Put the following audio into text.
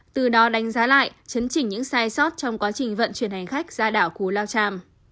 từ đó đánh giá lại chấn chỉnh những sai sót trong quá trình vận chuyển hành khách ra đảo cú lao tràm